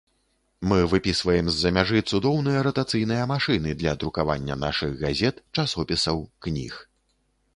Мы выпісваем з-за мяжы цудоўныя ратацыйныя машыны для друкавання нашых газет, часопісаў, кніг.